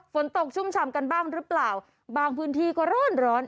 ฝนตกชุ่มฉ่ำกันบ้างหรือเปล่าบางพื้นที่ก็ร้อนร้อน